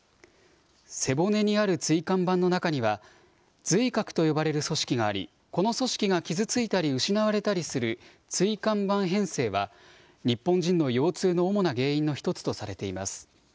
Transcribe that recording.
背骨にある椎間板の中には髄核と呼ばれる組織がありこの組織が傷ついたり失われたりする椎間板変性は日本人の腰痛の主な原因の１つとされています。